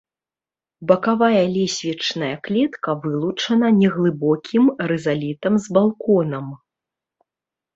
Бакавая лесвічная клетка вылучана неглыбокім рызалітам з балконам.